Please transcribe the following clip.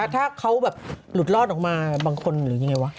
ถ้าเขาแบบหลุดรอดออกมาบางคนหรือยังไงวะ